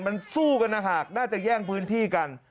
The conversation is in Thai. มันสู้กันหากน่าจะแย่งพื้นที่กัน